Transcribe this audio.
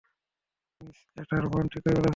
Miss Otterbourne ঠিকই বলেছেন।